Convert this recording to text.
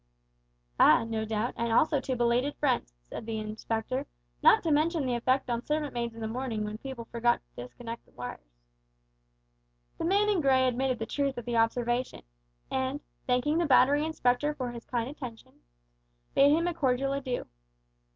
"Ah, no doubt, and also to belated friends," said the Inspector, "not to mention the effect on servant maids in the morning when people forgot to disconnect the wires." The man in grey admitted the truth of the observation, and, thanking the Battery Inspector for his kind attentions, bade him a cordial adieu.